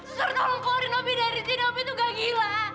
tolong keluarin mpok dari sini mpok itu gak gila